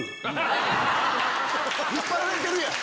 引っ張られてるやん！